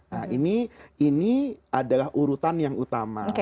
nah ini adalah urutan yang utama